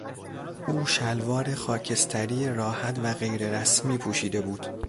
او شلوار خاکستری راحت و غیررسمی پوشیده بود.